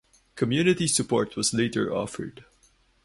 Community support was later offered.